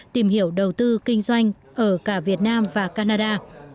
tìm hiểu đầu tư kinh doanh ở cả việt nam và canada